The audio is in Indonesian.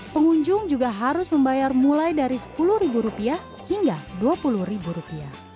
pengunjung juga harus membayar mulai dari sepuluh ribu rupiah hingga dua puluh ribu rupiah